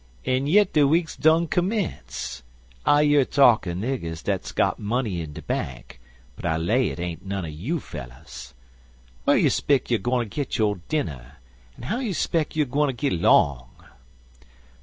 En yit de week's done commence. I year talk er niggers dat's got money in de bank, but I lay hit ain't none er you fellers. Whar you speck you gwineter git yo' dinner, en how you speck you gwineter git 'long?"